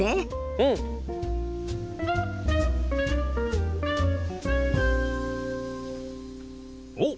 うん！おっ！